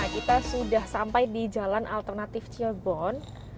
kita sudah sampai di jalan alternatif cilbon